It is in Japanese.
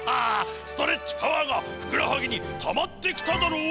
ストレッチパワーがふくらはぎにたまってきただろう？